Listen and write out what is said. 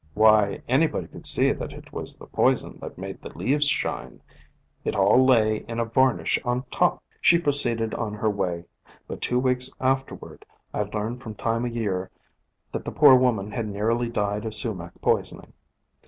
Why, anybody could see that it was the poison that made the leaves shine ; it all lay in a varnish on top ! She proceeded on her way, but two weeks after 170 POISONOUS PLANTS ward I learned from Time o' Year that the poor woman had nearly died of Sumac poisoning.